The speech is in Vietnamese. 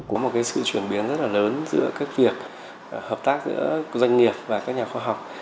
có một cái sự chuyển biến rất là lớn giữa cái việc hợp tác giữa doanh nghiệp và các nhà khoa học